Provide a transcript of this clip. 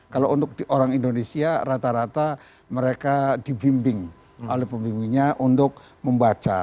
kalau untuk orang indonesia rata rata mereka dibimbing oleh pembimbingnya untuk membaca